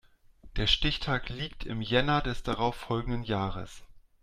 Der Stichtag liegt im Jänner des darauf folgenden Jahres.